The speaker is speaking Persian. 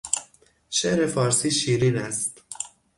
شعر فارسی شیرین است.